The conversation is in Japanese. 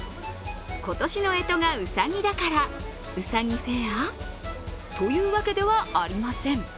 今年のえとがうさぎだから、うさぎフェア？というわけではありません。